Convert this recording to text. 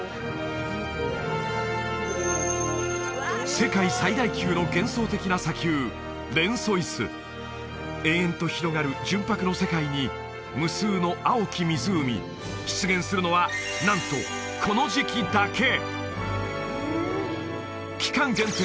世界最大級の幻想的な砂丘レンソイス延々と広がる純白の世界に無数の青き湖出現するのはなんとこの時期だけ期間限定